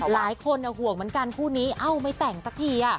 หลายคนห่วงเหมือนกันคู่นี้เอ้าไม่แต่งสักที